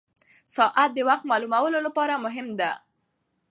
ساعت د وخت معلومولو لپاره مهم ده.